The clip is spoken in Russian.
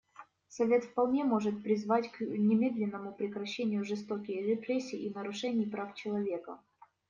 Совет вполне может призвать к немедленному прекращению жестоких репрессий и нарушений прав человека.